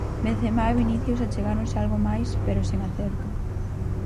Benzemá e Vinicius achegáronse algo máis, pero sen acerto.